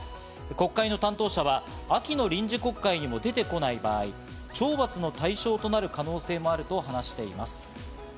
国会の担当者は秋の臨時国会にも出てこない場合、懲罰の対象となる可能性もあると話しています。